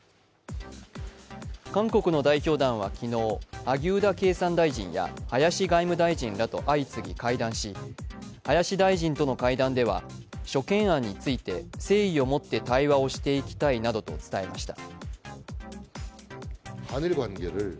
韓国の代表団は昨日、萩生田経産大臣や林外務大臣らと相次ぎ会談し、林大臣との会談では諸懸案について誠意を持って対話をしていきたいなどと伝えました。